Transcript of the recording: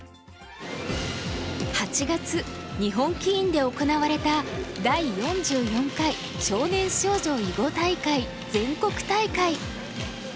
８月日本棋院で行われた第４４回少年少女囲碁大会全国大会。